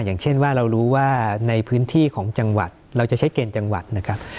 อย่างเช่นว่าเรารู้ว่าในพื้นที่ของจังหวัดเราจะใช้เกณฑ์จังหวัดนะครับ